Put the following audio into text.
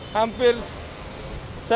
hampir tidak bisa berjalan